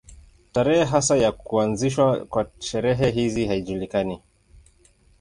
Tarehe hasa ya kuanzishwa kwa sherehe hizi haijulikani.